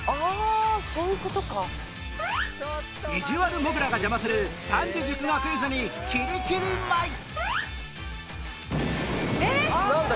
いじわるモグラが邪魔する三字熟語クイズにきりきり舞い！